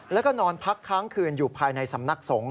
แล้วก็นอนพักค้างคืนอยู่ภายในสำนักสงฆ